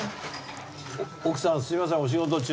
奥さんすいませんお仕事中。